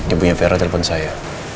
ibu yang vera telpon saya